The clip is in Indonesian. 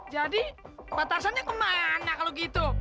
jadi pak tarzan yang kemana kalau gitu